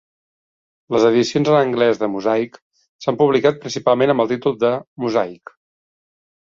Les edicions en anglès de "Mosaik" s'han publicat principalment amb el títol de "Mosaic".